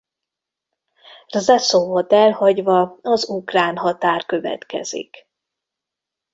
Rzeszówot elhagyva az ukrán határ következik.